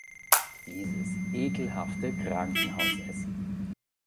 Dieses ekelhafte Krankenhausessen!